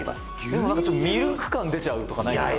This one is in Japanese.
「でもちょっとミルク感出ちゃうとかないですか？」